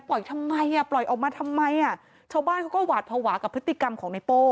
ทำไมอ่ะปล่อยออกมาทำไมอ่ะชาวบ้านเขาก็หวาดภาวะกับพฤติกรรมของในโป้